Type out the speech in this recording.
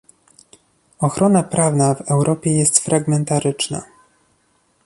Ochrona prawna w Europie jest fragmentaryczna